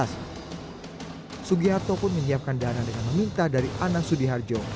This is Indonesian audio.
sugiharto pun menyiapkan dana dengan meminta dari anang sudiharjo